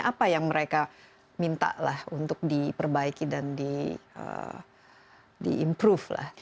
apa yang mereka minta untuk diperbaiki dan diimprove